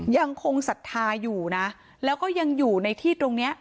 ศรัทธาอยู่นะแล้วก็ยังอยู่ในที่ตรงเนี้ย